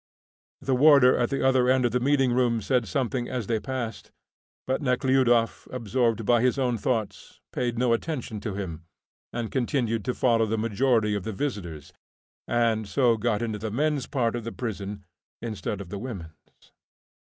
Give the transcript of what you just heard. The warder at the other end of the meeting room said something as they passed, but Nekhludoff, absorbed by his own thoughts, paid no attention to him, and continued to follow the majority of the visitors, and so got into the men's part of the prison instead of the women's.